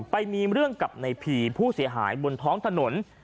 ไปมีเรื่องกับในผีผู้เสียหายบนท้องถนน